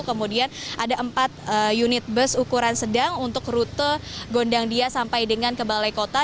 kemudian ada empat unit bus ukuran sedang untuk rute gondangdia sampai dengan kebalai kota